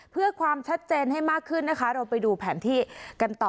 เพื่อความชัดเจนให้มากขึ้นนะคะเราไปดูแผนที่กันต่อ